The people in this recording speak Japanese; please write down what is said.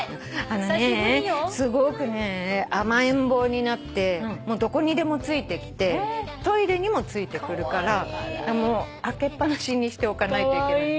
あのねすごくね甘えん坊になってどこにでもついてきてトイレにもついてくるから開けっ放しにしておかないといけない。